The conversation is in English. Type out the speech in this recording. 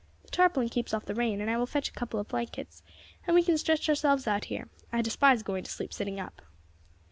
The tarpaulin keeps off the rain, and I will fetch a couple of blankets, and we can stretch ourselves out here; I despise going to sleep sitting up."